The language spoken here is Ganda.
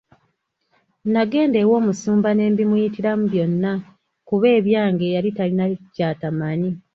Nagenda ew'omusumba ne mbimuyitiramu byonna kuba ebyange yali talina ky'atamanyi.